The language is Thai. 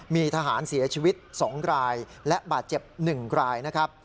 มีทหารเสียชีวิต๒รายและบาดเจ็บ๑รายนะครับ